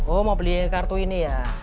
oh mau beli kartu ini ya